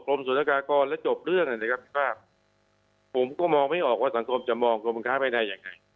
กลมสูญรกากรแล้วจบเรื่องนะครับผมก็มองไม่ออกว่าสังคมจะมองกลมค้าไปไหนอย่างไร